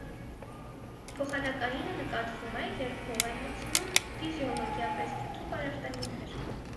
Փոխանակայինը նկատվում է, երբ հող են մտցնում ֆիզիոլոգիապես թթու պարարտանյութեր։